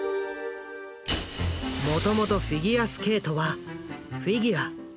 もともとフィギュアスケートは「フィギュア」